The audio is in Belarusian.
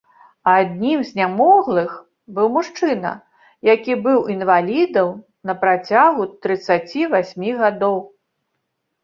Аднім з нямоглых быў мужчына, які быў інвалідам на працягу трыццаці васьмі гадоў.